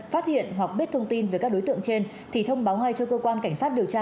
phát hiện hoặc biết thông tin về các đối tượng trên thì thông báo ngay cho cơ quan cảnh sát điều tra